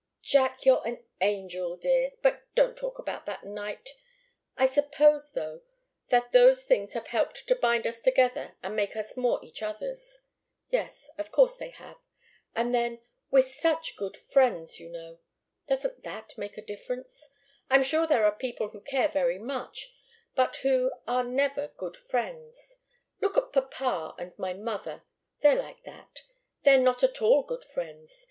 "Jack you're an angel, dear! But don't talk about that night. I suppose, though, that those things have helped to bind us together and make us more each other's. Yes of course they have. And then we're such good friends, you know. Doesn't that make a difference? I'm sure there are people who care very much, but who are never good friends. Look at papa and my mother. They're like that. They're not at all good friends.